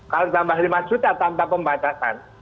kalau ditambah lima juta tanpa pembatasan